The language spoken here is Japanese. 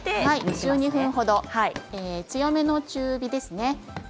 １２分ほど強めの中火ですね。